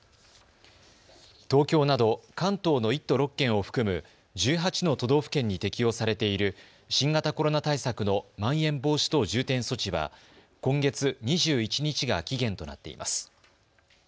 東京など関東の１都６県を含む１８の都道府県に適用されている新型コロナ対策のまん延防止等重点措置は今月２１日が期限となっています。